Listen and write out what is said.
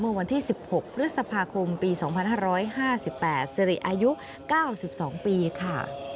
เมื่อวันที่๑๖พฤษภาคมปี๒๕๕๘สิริอายุ๙๒ปีค่ะ